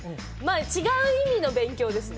違う意味の勉強ですね。